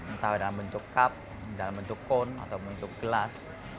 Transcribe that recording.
entah dalam bentuk cup dalam bentuk cone atau bentuk gelas